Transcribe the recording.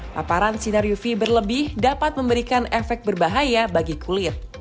paparan sinar uv berlebih dapat memberikan efek berbahaya bagi kulit